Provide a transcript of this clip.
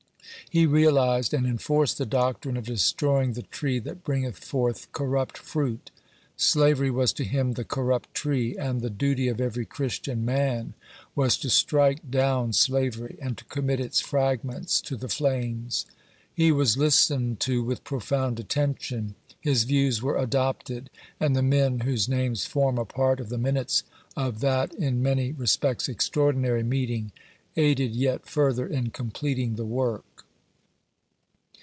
He realized and en forced the doctrine of destroying the tree that bringeth forth corrupt fruit. Slavery was to him the corrupt tree, and the duty of every Christian man was to strike down slavery, and to commit its fragments to the flames. He was listened to with profound attention, his views were adopted, and. the men whose names form a part of the minutes of that in many re spects extraordinary meeting, aided yet further in completing the work.